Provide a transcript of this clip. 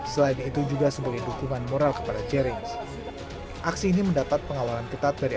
selain itu juga sebagai dukungan moral kepada jerings aksi ini mendapat pengawalan ketat dari